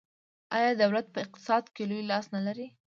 آیا دولت په اقتصاد کې لوی لاس نلري؟